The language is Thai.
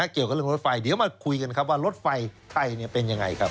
เกี่ยวกับเรื่องรถไฟเดี๋ยวมาคุยกันครับว่ารถไฟไทยเป็นยังไงครับ